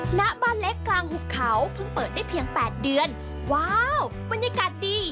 หน้าบ้านเล็กกลางหุบเขาเพิ่งเปิดได้เพียงแปดเดือนว้าวบรรยากาศดี